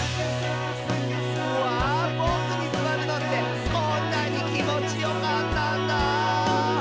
「うわボクにすわるのってこんなにきもちよかったんだ」